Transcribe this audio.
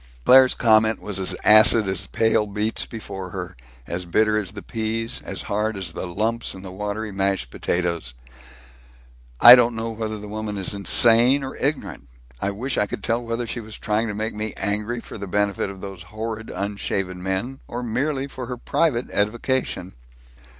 Claire's comment was as acid as the pale beets before her, as bitter as the peas, as hard as the lumps in the watery mashed potatoes: "I don't know whether the woman is insane or ignorant. I wish I could tell whether she was trying to make me angry for the benefit of those horrid unshaven men, or merely for her private edification."